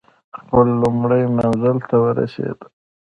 خپل لومړي منزل ته ورسېدو.